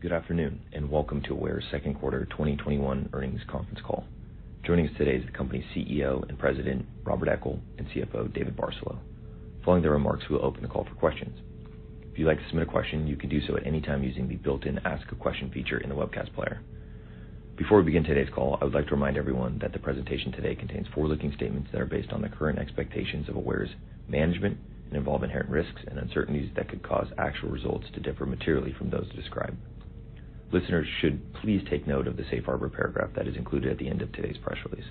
Good afternoon, and welcome to Aware's second quarter 2021 earnings conference call. Joining us today is the company's CEO and President, Robert Eckel, and CFO, David Barcelo. Following their remarks, we'll open the call for questions. If you'd like to submit a question, you can do so at any time using the built-in ask a question feature in the webcast player. Before we begin today's call, I would like to remind everyone that the presentation today contains forward-looking statements that are based on the current expectations of Aware's management and involve inherent risks and uncertainties that could cause actual results to differ materially from those described. Listeners should please take note of the safe harbor paragraph that is included at the end of today's press release.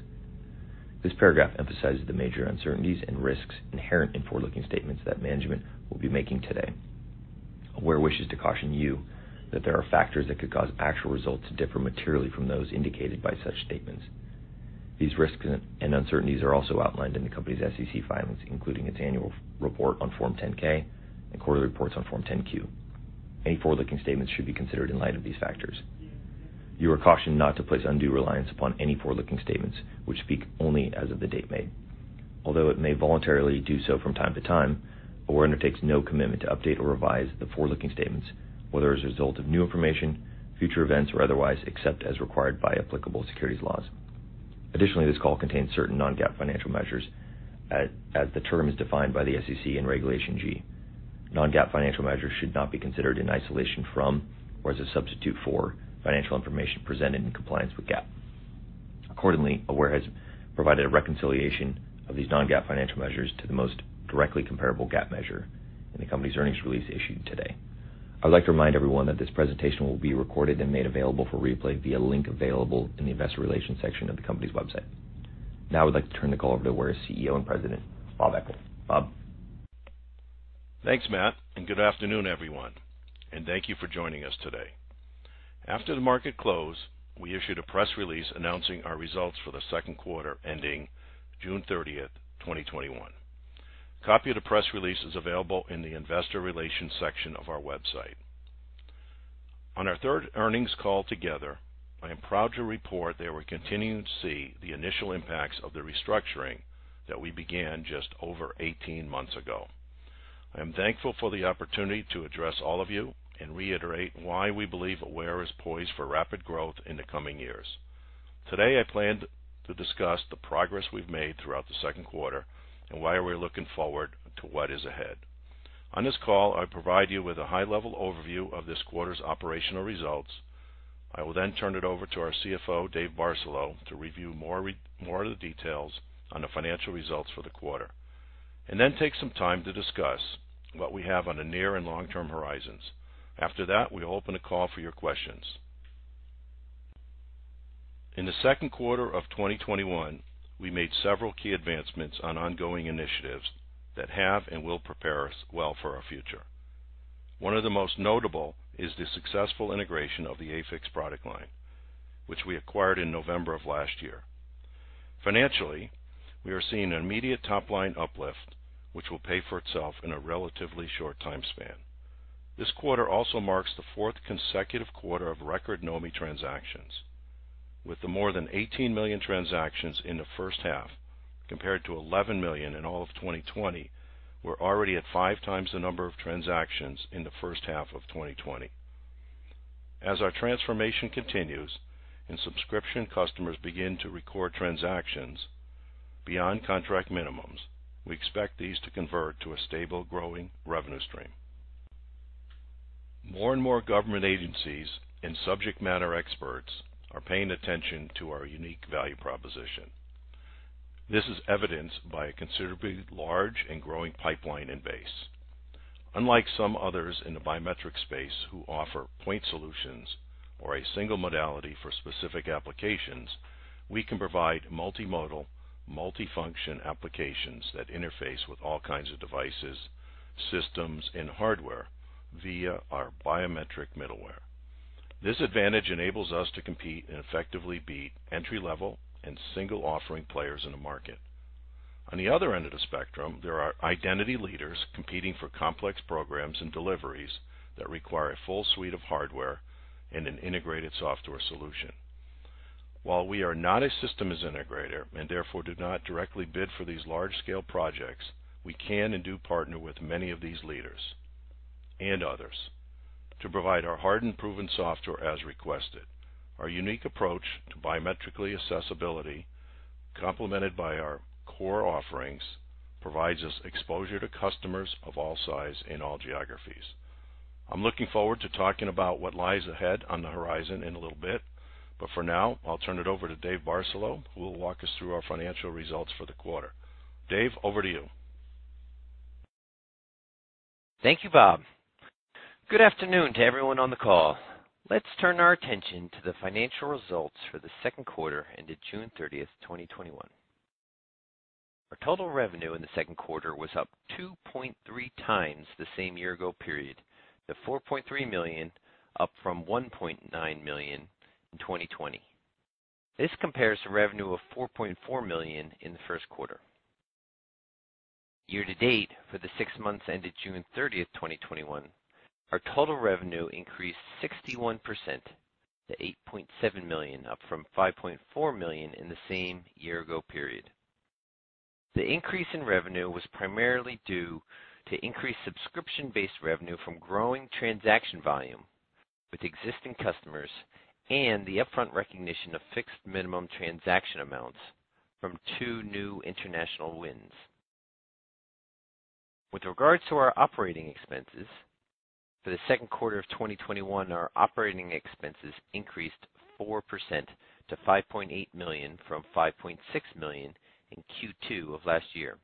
This paragraph emphasizes the major uncertainties and risks inherent in forward-looking statements that management will be making today. Aware wishes to caution you that there are factors that could cause actual results to differ materially from those indicated by such statements. These risks and uncertainties are also outlined in the company's SEC filings, including its annual report on Form 10-K and quarterly reports on Form 10-Q. Any forward-looking statements should be considered in light of these factors. You are cautioned not to place undue reliance upon any forward-looking statements which speak only as of the date made. Although it may voluntarily do so from time to time, Aware undertakes no commitment to update or revise the forward-looking statements, whether as a result of new information, future events, or otherwise, except as required by applicable securities laws. Additionally, this call contains certain non-GAAP financial measures as the term is defined by the SEC in Regulation G. Non-GAAP financial measures should not be considered in isolation from or as a substitute for financial information presented in compliance with GAAP. Accordingly, Aware has provided a reconciliation of these non-GAAP financial measures to the most directly comparable GAAP measure in the company's earnings release issued today. I'd like to remind everyone that this presentation will be recorded and made available for replay via link available in the investor relations section of the company's website. Now I'd like to turn the call over to Aware's CEO and President, Robert Eckel. Robert? Thanks, Matt, and good afternoon, everyone, and thank you for joining us today. After the market close, we issued a press release announcing our results for the second quarter ending June 30th, 2021. Copy of the press release is available in the investor relations section of our website. On our third earnings call together, I am proud to report that we're continuing to see the initial impacts of the restructuring that we began just over 18 months ago. I am thankful for the opportunity to address all of you and reiterate why we believe Aware is poised for rapid growth in the coming years. Today, I plan to discuss the progress we've made throughout the second quarter and why we're looking forward to what is ahead. On this call, I provide you with a high-level overview of this quarter's operational results. I will turn it over to our CFO, David Barcelo, to review more of the details on the financial results for the quarter. Take some time to discuss what we have on the near and long-term horizons. After that, we'll open the call for your questions. In the second quarter of 2021, we made several key advancements on ongoing initiatives that have and will prepare us well for our future. One of the most notable is the successful integration of the AFIX product line, which we acquired in November of last year. Financially, we are seeing an immediate top-line uplift, which will pay for itself in a relatively short time span. This quarter also marks the fourth consecutive quarter of record Knomi transactions. With the more than 18 million transactions in the first half compared to 11 million in all of 2020, we're already at five times the number of transactions in the first half of 2020. As our transformation continues and subscription customers begin to record transactions beyond contract minimums, we expect these to convert to a stable, growing revenue stream. More and more government agencies and subject matter experts are paying attention to our unique value proposition. This is evidenced by a considerably large and growing pipeline and base. Unlike some others in the biometric space who offer point solutions or a single modality for specific applications, we can provide multimodal, multifunction applications that interface with all kinds of devices, systems, and hardware via our biometric middleware. This advantage enables us to compete and effectively beat entry-level and single-offering players in the market. On the other end of the spectrum, there are identity leaders competing for complex programs and deliveries that require a full suite of hardware and an integrated software solution. While we are not a systems integrator and therefore do not directly bid for these large-scale projects, we can and do partner with many of these leaders and others to provide our hardened and proven software as requested. Our unique approach to biometric accessibility, complemented by our core offerings, provides us exposure to customers of all sizes in all geographies. I'm looking forward to talking about what lies ahead on the horizon in a little bit, but for now, I'll turn it over to David Barcelo, who will walk us through our financial results for the quarter. David, over to you. Thank you, Robert. Good afternoon to everyone on the call. Let's turn our attention to the financial results for the second quarter ended June 30th, 2021. Our total revenue in the second quarter was up 2.3x the same year-ago period, to $4.3 million, up from $1.9 million in 2020. This compares to revenue of $4.4 million in the first quarter. Year-to-date, for the six months ended June 30th, 2021, our total revenue increased 61% to $8.7 million, up from $5.4 million in the same year-ago period. The increase in revenue was primarily due to increased subscription-based revenue from growing transaction volume with existing customers and the upfront recognition of fixed minimum transaction amounts from two new international wins. With regards to our operating expenses for the second quarter of 2021, our operating expenses increased 4% to $5.8 million from $5.6 million in Q2 of last year.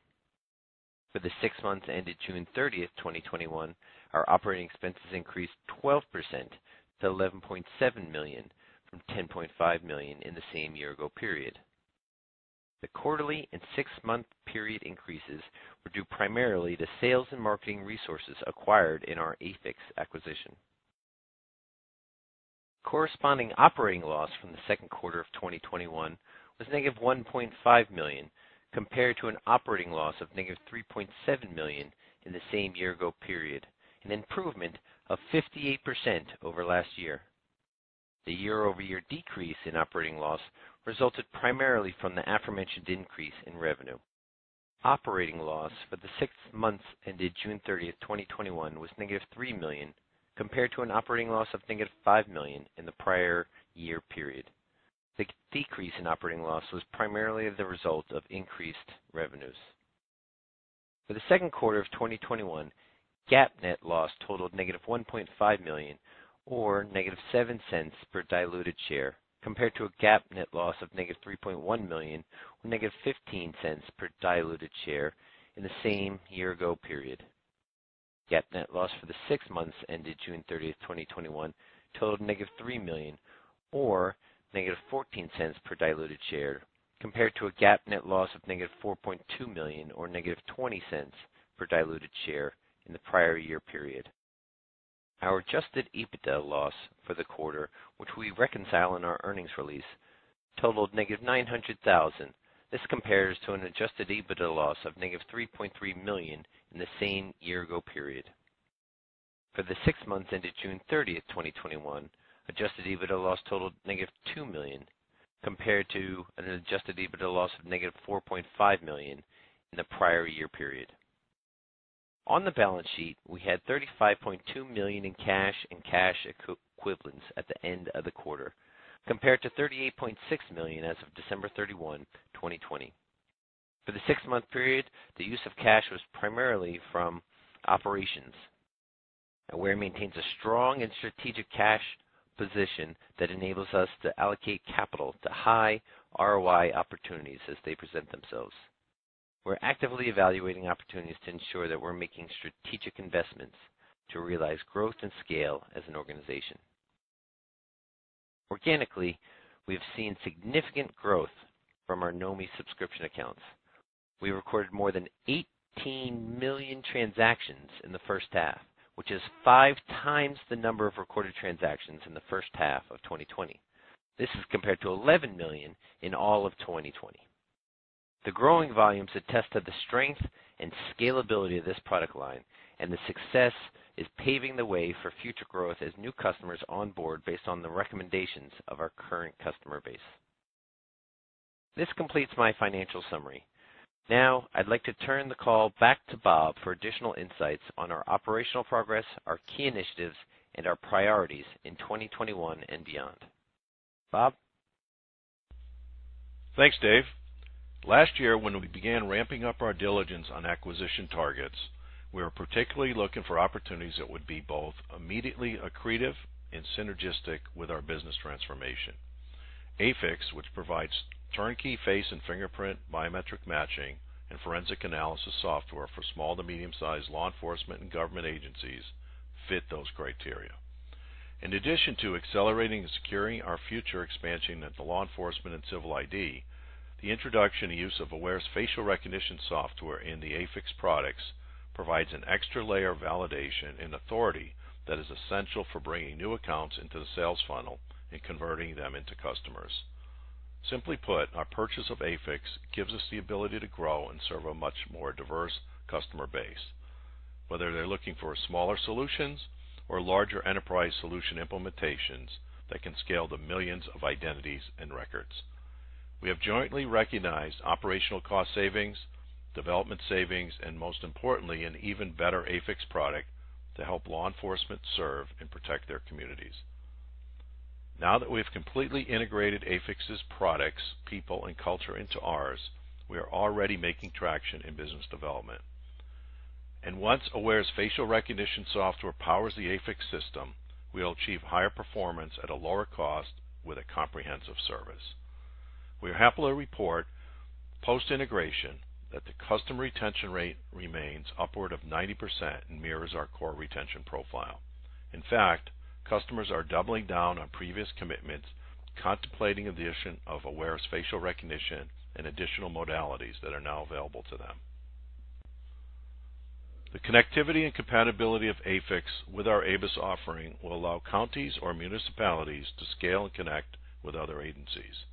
For the six months ended June 30th, 2021, our operating expenses increased 12% to $11.7 million from $10.5 million in the same year ago period. The quarterly and six-month period increases were due primarily to sales and marketing resources acquired in our AFIX acquisition. Corresponding operating loss from the second quarter of 2021 was negative $1.5 million, compared to an operating loss of negative $3.7 million in the same year ago period, an improvement of 58% over last year. The year-over-year decrease in operating loss resulted primarily from the aforementioned increase in revenue. Operating loss for the six months ended June 30th, 2021 was -$3 million, compared to an operating loss of -$5 million in the prior year period. The decrease in operating loss was primarily the result of increased revenues. For the second quarter of 2021, GAAP net loss totaled -$1.5 million or -$0.07 per diluted share compared to a GAAP net loss of -$3.1 million or -$0.15 per diluted share in the same year ago period. GAAP net loss for the six months ended June 30th, 2021 totaled -$3 million or -$0.14 per diluted share compared to a GAAP net loss of -$4.2 million or -$0.20 per diluted share in the prior year period. Our adjusted EBITDA loss for the quarter, which we reconcile in our earnings release, totaled -$900,000. This compares to an adjusted EBITDA loss of -$3.3 million in the same year ago period. For the six months ended June 30th, 2021, adjusted EBITDA loss totaled -$2 million, compared to an adjusted EBITDA loss of -$4.5 million in the prior year period. On the balance sheet, we had $35.2 million in cash and cash equivalents at the end of the quarter, compared to $38.6 million as of December 31st, 2020. For the six-month period, the use of cash was primarily from operations. Aware maintains a strong and strategic cash position that enables us to allocate capital to high ROI opportunities as they present themselves. We're actively evaluating opportunities to ensure that we're making strategic investments to realize growth and scale as an organization. Organically, we have seen significant growth from our Knomi subscription accounts. We recorded more than 18 million transactions in the first half, which is 5x the number of recorded transactions in the first half of 2020. This is compared to 11 million in all of 2020. The growing volumes attest to the strength and scalability of this product line, and the success is paving the way for future growth as new customers onboard based on the recommendations of our current customer base. This completes my financial summary. Now, I'd like to turn the call back to Robert for additional insights on our operational progress, our key initiatives, and our priorities in 2021 and beyond. Robert? Thanks, David. Last year, when we began ramping up our diligence on acquisition targets, we were particularly looking for opportunities that would be both immediately accretive and synergistic with our business transformation. AFIX, which provides turnkey face and fingerprint biometric matching and forensic analysis software for small to medium-sized law enforcement and government agencies, fit those criteria. In addition to accelerating and securing our future expansion at the law enforcement and civil ID, the introduction and use of Aware's facial recognition software in the AFIX products provides an extra layer of validation and authority that is essential for bringing new accounts into the sales funnel and converting them into customers. Simply put, our purchase of AFIX gives us the ability to grow and serve a much more diverse customer base. Whether they're looking for smaller solutions or larger enterprise solution implementations that can scale to millions of identities and records. We have jointly recognized operational cost savings, development savings, and most importantly, an even better AFIX product to help law enforcement serve and protect their communities. Now that we've completely integrated AFIX's products, people, and culture into ours, we are already making traction in business development. Once Aware's facial recognition software powers the AFIX system, we'll achieve higher performance at a lower cost with a comprehensive service. We are happy to report post-integration that the customer retention rate remains upward of 90% and mirrors our core retention profile. In fact, customers are doubling down on previous commitments, contemplating addition of Aware's facial recognition and additional modalities that are now available to them. The connectivity and compatibility of AFIX with our ABIS offering will allow counties or municipalities to scale and connect with other agencies.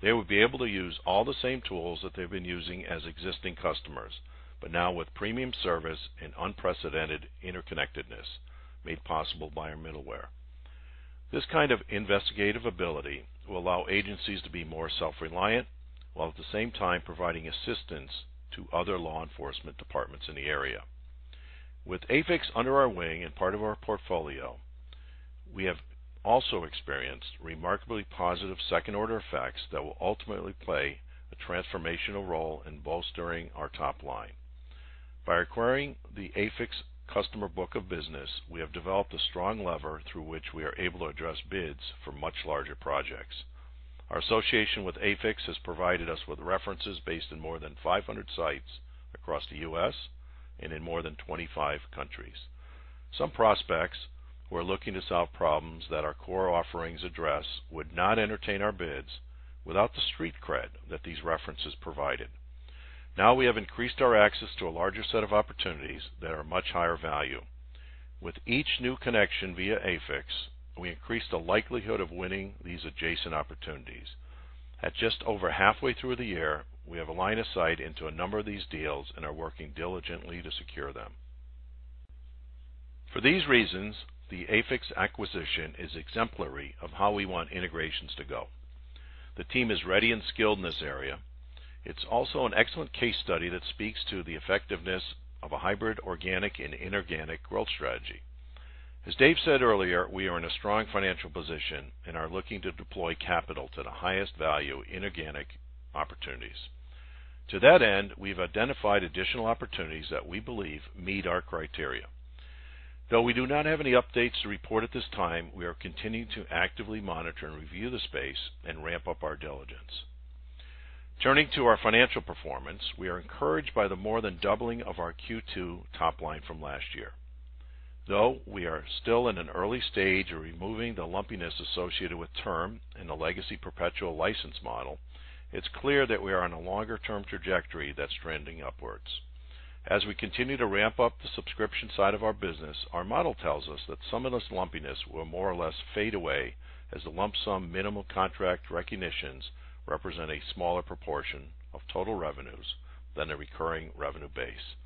They will be able to use all the same tools that they've been using as existing customers but now with premium service and unprecedented interconnectedness made possible by our middleware. This kind of investigative ability will allow agencies to be more self-reliant while at the same time providing assistance to other law enforcement departments in the area. With AFIX under our wing and part of our portfolio, we have also experienced remarkably positive second-order effects that will ultimately play a transformational role in bolstering our top line. By acquiring the AFIX customer book of business, we have developed a strong lever through which we are able to address bids for much larger projects. Our association with AFIX has provided us with references based in more than 500 sites across the U.S. and in more than 25 countries. Some prospects who are looking to solve problems that our core offerings address would not entertain our bids without the street cred that these references provided. Now we have increased our access to a larger set of opportunities that are much higher value. With each new connection via AFIX, we increase the likelihood of winning these adjacent opportunities. At just over halfway through the year, we have a line of sight into a number of these deals and are working diligently to secure them. For these reasons, the AFIX acquisition is exemplary of how we want integrations to go. The team is ready and skilled in this area. It's also an excellent case study that speaks to the effectiveness of a hybrid organic and inorganic growth strategy. As David said earlier, we are in a strong financial position and are looking to deploy capital to the highest value inorganic opportunities. To that end, we've identified additional opportunities that we believe meet our criteria. Though we do not have any updates to report at this time, we are continuing to actively monitor and review the space and ramp up our diligence. Turning to our financial performance, we are encouraged by the more than doubling of our Q2 top line from last year. Though we are still in an early stage of removing the lumpiness associated with term in the legacy perpetual license model, it's clear that we are on a longer-term trajectory that's trending upwards. As we continue to ramp up the subscription side of our business, our model tells us that some of this lumpiness will more or less fade away as the lump sum minimum contract recognitions represent a smaller proportion of total revenues than the recurring revenue base.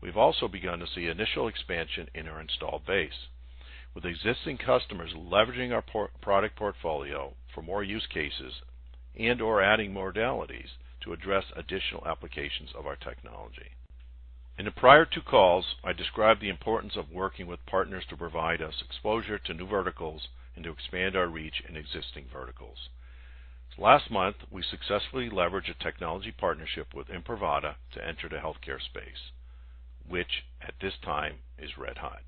We've also begun to see initial expansion in our installed base, with existing customers leveraging our product portfolio for more use cases and/or adding modalities to address additional applications of our technology. In the prior two calls, I described the importance of working with partners to provide us exposure to new verticals and to expand our reach in existing verticals. Last month, we successfully leveraged a technology partnership with Imprivata to enter the healthcare space, which at this time is red hot.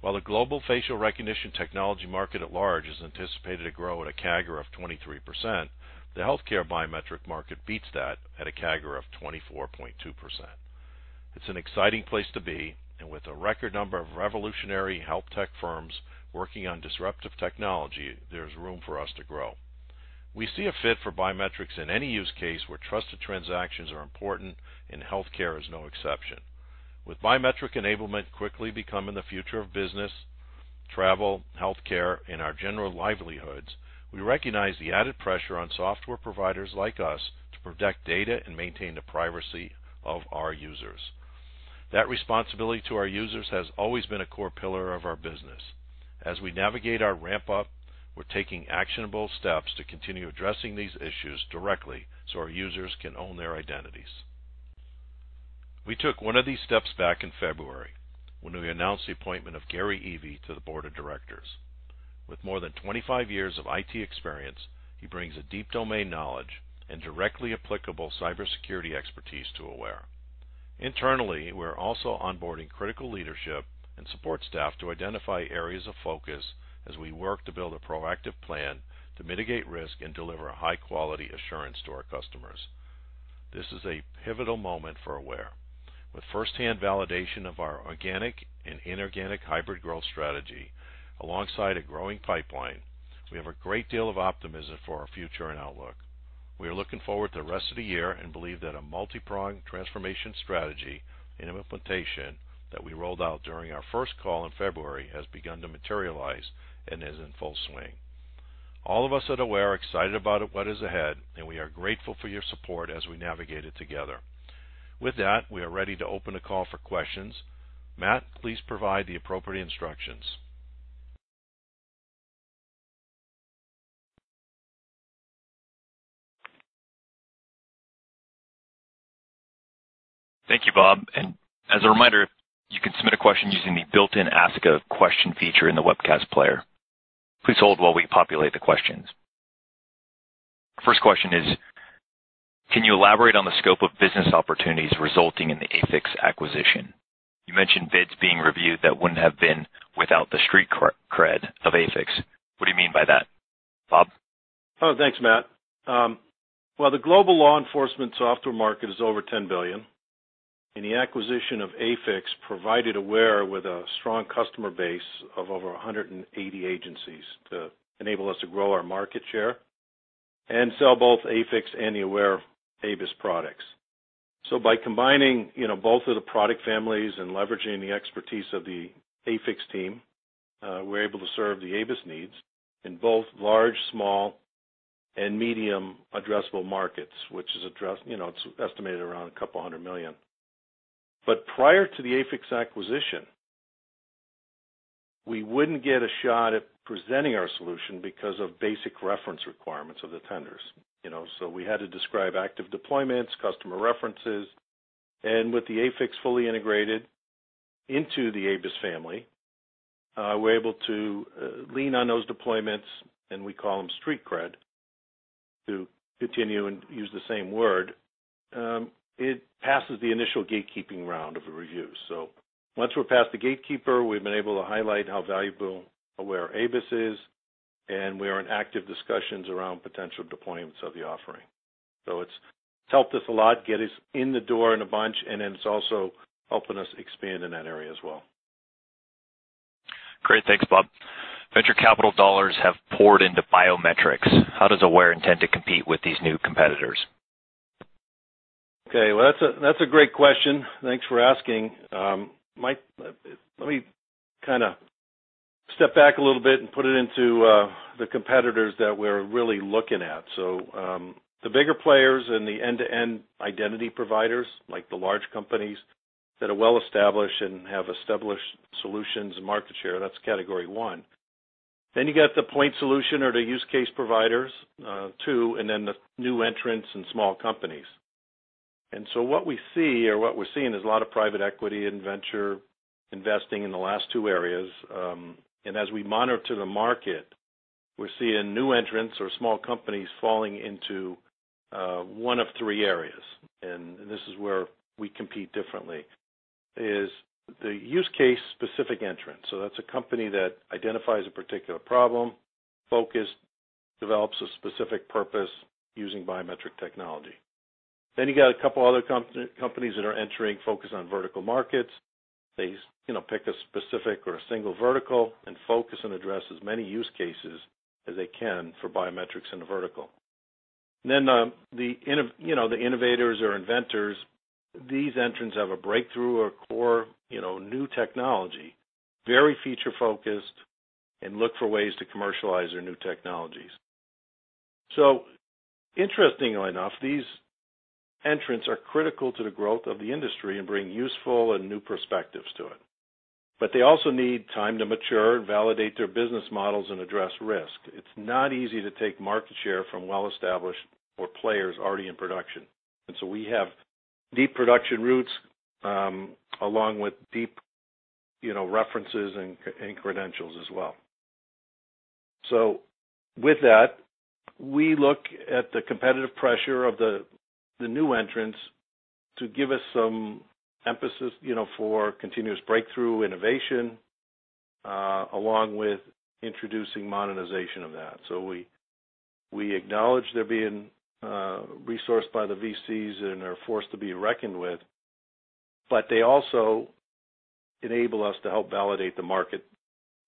While the global facial recognition technology market at large is anticipated to grow at a CAGR of 23%, the healthcare biometric market beats that at a CAGR of 24.2%. It's an exciting place to be, with a record number of revolutionary health tech firms working on disruptive technology, there's room for us to grow. We see a fit for biometrics in any use case where trusted transactions are important, and healthcare is no exception. With biometric enablement quickly becoming the future of business, travel, healthcare, and our general livelihoods, we recognize the added pressure on software providers like us to protect data and maintain the privacy of our users. That responsibility to our users has always been a core pillar of our business. As we navigate our ramp-up, we're taking actionable steps to continue addressing these issues directly so our users can own their identities. We took one of these steps back in February when we announced the appointment of Gary Evee to the Board of Directors. With more than 25 years of IT experience, he brings a deep domain knowledge and directly applicable cybersecurity expertise to Aware. Internally, we are also onboarding critical leadership and support staff to identify areas of focus as we work to build a proactive plan to mitigate risk and deliver a high quality assurance to our customers. This is a pivotal moment for Aware. With first-hand validation of our organic and inorganic hybrid growth strategy alongside a growing pipeline, we have a great deal of optimism for our future and outlook. We are looking forward to the rest of the year and believe that a multi-pronged transformation strategy and implementation that we rolled out during our first call in February has begun to materialize and is in full swing. All of us at Aware are excited about what is ahead, and we are grateful for your support as we navigate it together. With that, we are ready to open the call for questions. Matt, please provide the appropriate instructions. Thank you, Robert. As a reminder, you can submit a question using the built-in ask a question feature in the webcast player. Please hold while we populate the questions. First question is, can you elaborate on the scope of business opportunities resulting in the AFIX acquisition? You mentioned bids being reviewed that wouldn't have been without the street cred of AFIX. What do you mean by that? Robert? Oh, thanks, Matt. Well, the global law enforcement software market is over $10 billion. The acquisition of AFIX provided Aware, Inc. with a strong customer base of over 180 agencies to enable us to grow our market share and sell both AFIX and the AwareABIS products. By combining both of the product families and leveraging the expertise of the AFIX team, we're able to serve the ABIS needs in both large, small, and medium addressable markets, which is estimated around a couple hundred million. Prior to the AFIX acquisition, we wouldn't get a shot at presenting our solution because of basic reference requirements of the tenders. We had to describe active deployments, customer references, and with the AFIX fully integrated into the ABIS family, we're able to lean on those deployments, and we call them street cred, to continue and use the same word. It passes the initial gatekeeping round of the review. Once we're past the gatekeeper, we've been able to highlight how valuable AwareABIS is, and we are in active discussions around potential deployments of the offering. It's helped us a lot, get us in the door in a bunch, and it's also helping us expand in that area as well. Great. Thanks, Robert. Venture capital dollars have poured into biometrics. How does Aware intend to compete with these new competitors? Okay. Well, that's a great question. Thanks for asking. Let me step back a little bit and put it into the competitors that we're really looking at. The bigger players and the end-to-end identity providers, like the large companies that are well-established and have established solutions and market share, that's category two. You got the point solution or the use case providers, two, and then the new entrants and small companies. What we see or what we're seeing is a lot of private equity and venture investing in the last two areas. As we monitor the market, we're seeing new entrants or small companies falling into one of three areas, and this is where we compete differently, is the use case specific entrant. That's a company that identifies a particular problem, focused, develops a specific purpose using biometric technology. You got a couple other companies that are entering focused on vertical markets. They pick a specific or one vertical and focus and address as many use cases as they can for biometrics in a vertical. The innovators or inventors, these entrants have a breakthrough or core new technology, very feature-focused, and look for ways to commercialize their new technologies. Interestingly enough, these entrants are critical to the growth of the industry and bring useful and new perspectives to it. They also need time to mature and validate their business models and address risk. It's not easy to take market share from well-established or players already in production. We have deep production roots, along with deep references and credentials as well. With that, we look at the competitive pressure of the new entrants to give us some emphasis for continuous breakthrough innovation, along with introducing monetization of that. We acknowledge they're being resourced by the VCs and are a force to be reckoned with, but they also enable us to help validate the market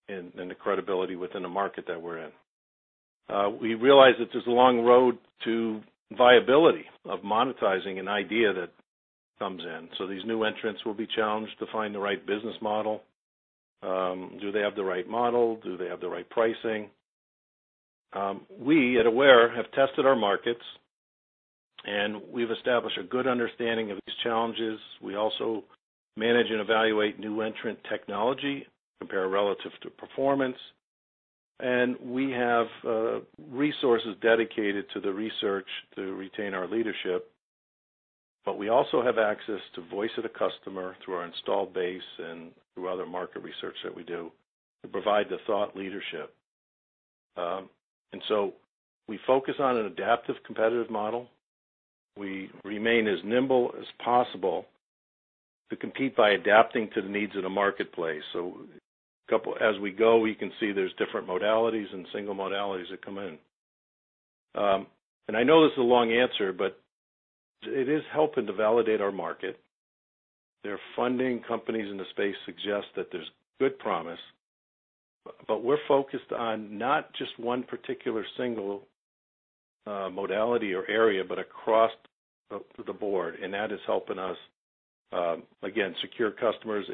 and the credibility within the market that we're in. We realize that there's a long road to viability of monetizing an idea that comes in. These new entrants will be challenged to find the right business model. Do they have the right model? Do they have the right pricing? We at Aware have tested our markets and we've established a good understanding of these challenges. We also manage and evaluate new entrant technology, compare relative to performance, and we have resources dedicated to the research to retain our leadership. We also have access to voice of the customer through our install base and through other market research that we do to provide the thought leadership. We focus on an adaptive competitive model. We remain as nimble as possible to compete by adapting to the needs of the marketplace. As we go, we can see there's different modalities and single modalities that come in. I know this is a long answer, but it is helping to validate our market. Their funding companies in the space suggest that there's good promise, but we're focused on not just one particular single modality or area, but across the board, and that is helping us, again, secure customers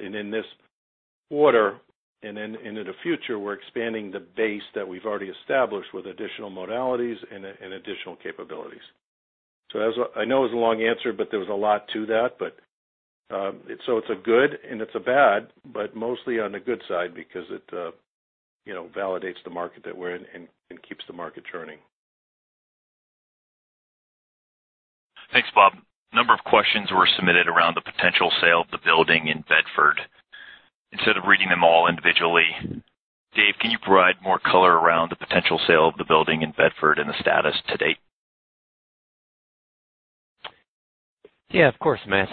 and in this order and into the future, we're expanding the base that we've already established with additional modalities and additional capabilities. I know it was a long answer, but there was a lot to that. It's a good and it's a bad, but mostly on the good side because it validates the market that we're in and keeps the market churning. Thanks, Robert. A number of questions were submitted around the potential sale of the building in Bedford. Instead of reading them all individually, David, can you provide more color around the potential sale of the building in Bedford and the status to date? Yeah, of course, Matt.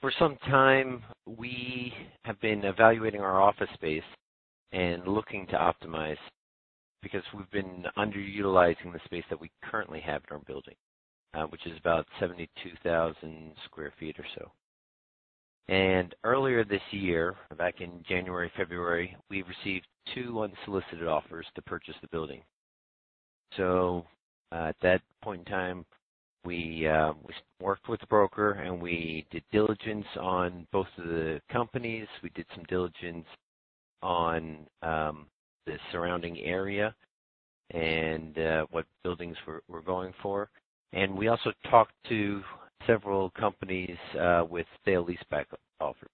For some time, we have been evaluating our office space and looking to optimize because we've been underutilizing the space that we currently have in our building, which is about 72,000 sq ft or so. Earlier this year, back in January, February, we received two unsolicited offers to purchase the building. At that point in time, we worked with the broker, and we did diligence on both of the companies. We did some diligence on the surrounding area. What buildings we're going for. We also talked to several companies with sale leaseback offers.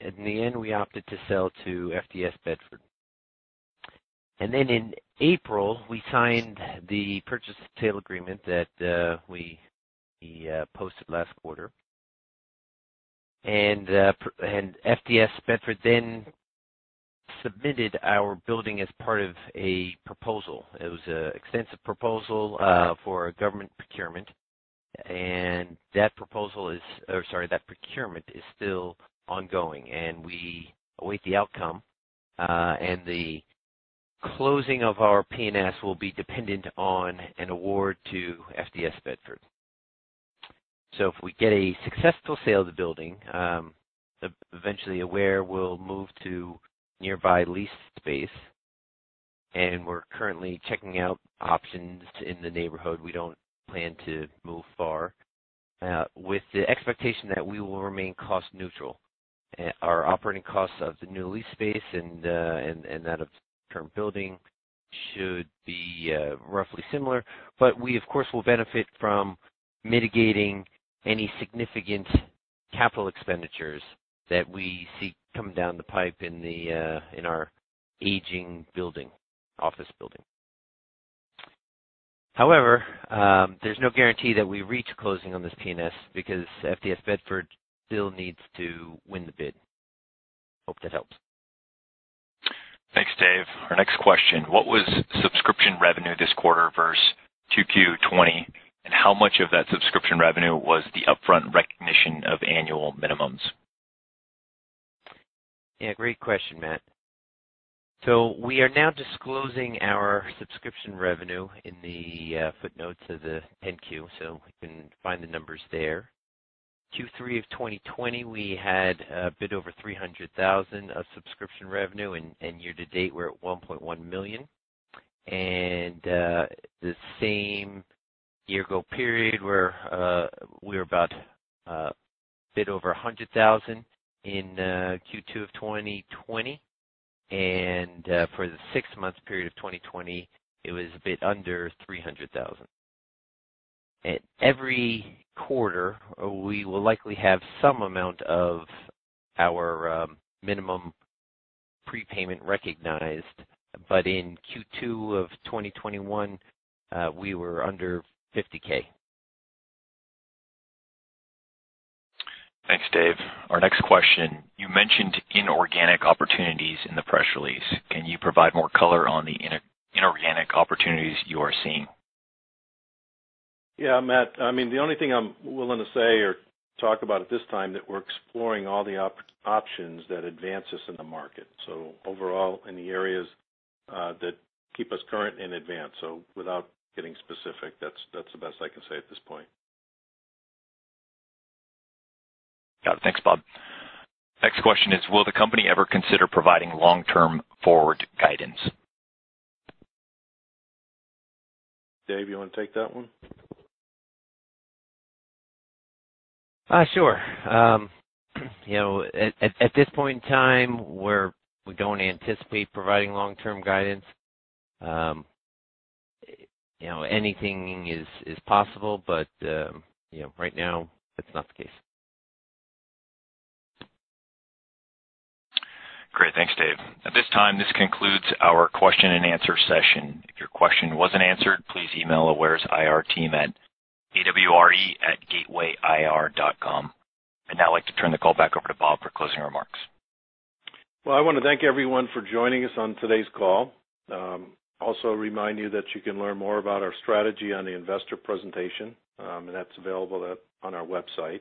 In the end, we opted to sell to FDS Bedford. In April, we signed the purchase sale agreement that we posted last quarter. FDS Bedford then submitted our building as part of a proposal. It was an extensive proposal for a government procurement. That procurement is still ongoing, and we await the outcome. The closing of our P&S will be dependent on an award to FDS Bedford. If we get a successful sale of the building, eventually Aware will move to nearby leased space. We're currently checking out options in the neighborhood. We don't plan to move far. With the expectation that we will remain cost neutral. Our operating costs of the new lease space and that of the term building should be roughly similar. We, of course, will benefit from mitigating any significant capital expenditures that we see coming down the pipe in our aging office building. However, there's no guarantee that we reach closing on this P&S because FDS Bedford still needs to win the bid. Hope that helps. Thanks, David. Our next question, what was subscription revenue this quarter verse 2Q 2020? How much of that subscription revenue was the upfront recognition of annual minimums? Yeah. Great question, Matt. We are now disclosing our subscription revenue in the footnotes of the 10-Q, so you can find the numbers there. Q3 2020, we had a bit over $300,000 of subscription revenue, and year to date, we're at $1.1 million. The same year-ago period, we're about a bit over $100,000 in Q2 2020. For the six-month period of 2020, it was a bit under $300,000. At every quarter, we will likely have some amount of our minimum prepayment recognized. In Q2 2021, we were under $50,000. Thanks, David. Our next question, you mentioned inorganic opportunities in the press release. Can you provide more color on the inorganic opportunities you are seeing? Yeah, Matt. The only thing I'm willing to say or talk about at this time, that we're exploring all the options that advance us in the market. Overall, in the areas that keep us current and advanced. Without getting specific, that's the best I can say at this point. Got it. Thanks, Robert. Next question is, will the company ever consider providing long-term forward guidance? David, you want to take that one? Sure. At this point in time, we don't anticipate providing long-term guidance. Anything is possible, but right now it's not the case. Great. Thanks, David. At this time, this concludes our question and answer session. If your question wasn't answered, please email Aware's IR team at awre@gatewayir.com. I'd now like to turn the call back over to Robert for closing remarks. Well, I want to thank everyone for joining us on today's call. Also remind you that you can learn more about our strategy on the investor presentation, and that's available on our website.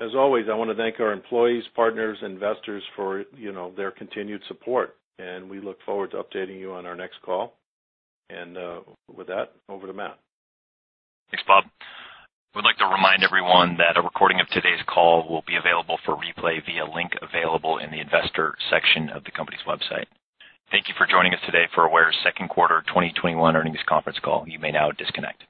As always, I want to thank our employees, partners, investors for their continued support, and we look forward to updating you on our next call. With that, over to Matt. Thanks, Robert. We'd like to remind everyone that a recording of today's call will be available for replay via link available in the investor section of the company's website. Thank you for joining us today for Aware's second quarter 2021 earnings conference call. You may now disconnect.